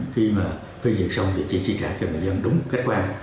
khi mà phê dựng xong thì chỉ trả cho người dân đúng cách quan